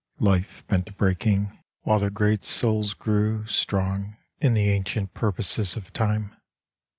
Life bent to breaking, while their great souls grew Strong in the ancient purposes of Time.